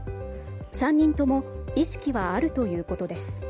３人とも意識はあるということです。